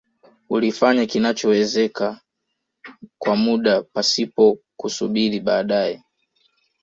Ulifanya kinachowezeka kwa muda pasipo kusubiri baadae